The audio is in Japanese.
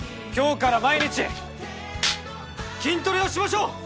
今日から毎日筋トレをしましょう！